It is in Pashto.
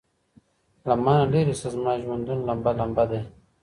له مانه ليري سه زما ژوندون لمبه ،لمبه دی.......